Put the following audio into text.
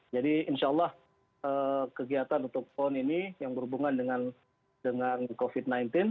jadi insya allah kegiatan untuk pon ini yang berhubungan dengan covid sembilan belas